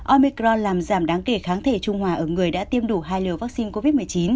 omicro làm giảm đáng kể kháng thể trung hòa ở người đã tiêm đủ hai liều vaccine covid một mươi chín